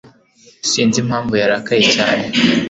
sinzi impamvu yarakaye cyane